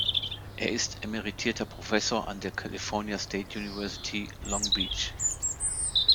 Er ist emeritierter Professor an der California State University, Long Beach.